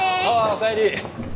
おかえり。